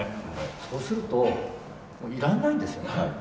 そうすると、もういらないんですよ。